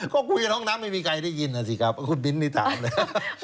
ก็คุยกับห้องน้ำไม่มีใครได้ยินนะสิครับคุณมิ้นนี่ถามเลย